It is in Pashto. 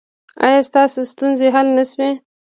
ایا ستاسو ستونزې حل نه شوې؟